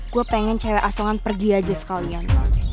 gue pengen cari asongan pergi aja sekalian